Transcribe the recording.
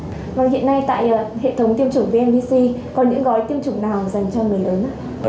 có những gói tiêm chủng nào dành cho người lớn ạ